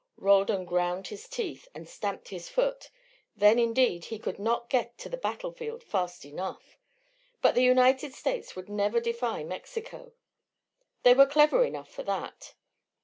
Roldan ground his teeth and stamped his foot. Then, indeed, he could not get to the battlefield fast enough. But the United States would never defy Mexico. They were clever enough for that.